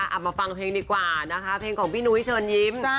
เอามาฟังเพลงดีกว่านะคะเพลงของพี่นุ้ยเชิญยิ้ม